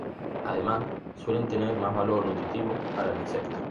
Además suelen tener más valor nutritivo para el insecto.